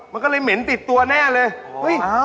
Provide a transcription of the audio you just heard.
มันก็เลยเหม็นติดตัวแน่เลยเฮ้ย